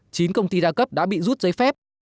chín công ty đa cấp đã bị rút giấy phép